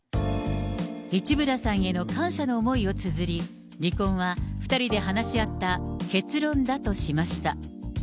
市村さんへの感謝の思いをつづり、離婚は２人で話し合った結論だとしました。